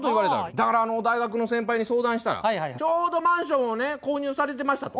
だから大学の先輩に相談したらちょうどマンションをね購入されてましたと。